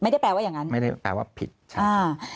ไม่ได้แปลว่าอย่างนั้นไม่ได้แปลว่าผิดใช่